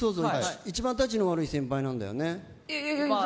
一番タチの悪い先輩なんだよね？